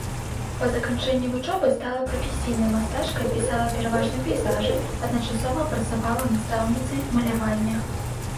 Па заканчэнні вучобы стала прафесійнай мастачкай, пісала пераважна пейзажы, адначасова працавала настаўніцай малявання.